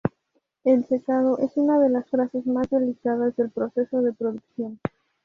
El secado es una de las fases más delicadas del proceso de producción.